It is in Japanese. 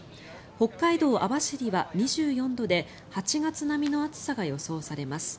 北海道網走は２４度で８月並みの暑さが予想されます。